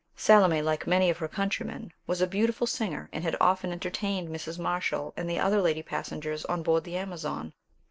Salome, like many of her countrymen, was a beautiful singer, and had often entertained Mrs. Marshall and the other lady passengers on board the Amazon.